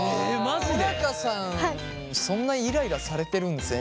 小高さんそんなイライラされてるんですね